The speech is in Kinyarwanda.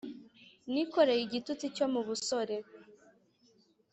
Nikoreye igitutsi cyo mu busore